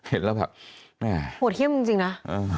เห็นแล้วแบบแม่หัวเทียบจริงจริงนะ